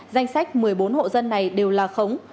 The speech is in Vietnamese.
danh sách một mươi bốn hộ dân này đều là khống